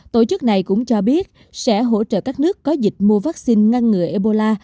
tổ chức này cũng cho biết sẽ hỗ trợ các nước có dịch mua vaccine ngăn người ebola